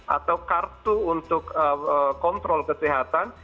atau kartu untuk kontrol kesehatan